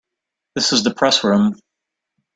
This is the Press Room.